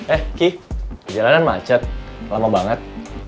eh ki perjalanan macet lama banget